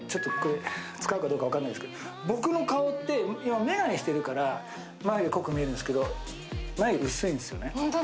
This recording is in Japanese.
「使うかどうか分かんないけど僕の顔って今眼鏡してるから眉毛濃く見えるんですけど眉毛薄いんですよね。